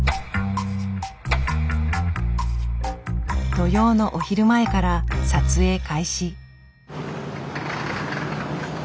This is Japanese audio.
土曜のお昼前から撮影開始。